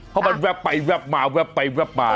เพราะมันแวบไปแวบมาแวบไปแวบมา